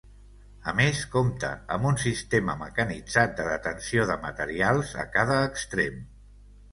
A més, compta amb un sistema mecanitzat de detenció de materials a cada extrem.